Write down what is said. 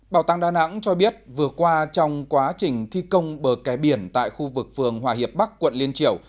bảo tàng đà nẵng cho biết vừa qua trong quá trình thi công bờ kè biển tại khu vực phường hòa hiệp bắc quận liên triểu